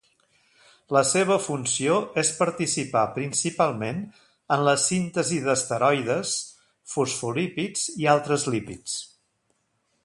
La seva funció és participar principalment en la síntesi d'esteroides, fosfolípids i altres lípids.